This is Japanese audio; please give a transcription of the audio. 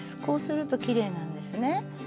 こうするときれいなんですね。